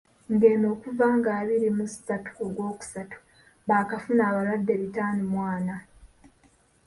Ng'eno okuva nga abiri mu ssatu, ogwokusatu baakafuna abalwadde bitaano mu ana.